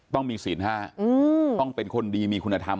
ต้องมีศีล๕ต้องเป็นคนดีมีคุณธรรม